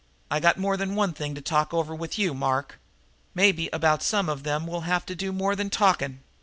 "I got more than one little thing to talk over with you, Mark. Maybe about some of them we'll have to do more than talking.